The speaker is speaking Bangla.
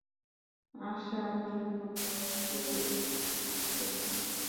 আসমানি বলল, কে লিখেছে?